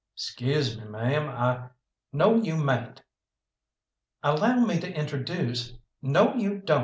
"'Scuse me, ma'am, I " "No, you mayn't." "Allow me to introduce " "No you don't.